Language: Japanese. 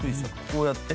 こうやって？